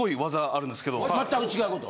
全く違うこと？